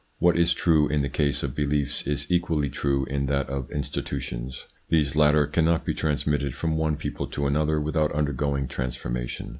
What is true in the case of beliefs, is equally true in that of institutions ; these latter cannot be transmitted from one people to another without undergoing transformation.